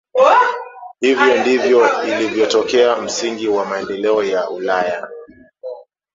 Hivyo ndivyo ilivyotokea msingi wa maendeleo ya Ulaya